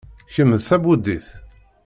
Kemm d tabudit?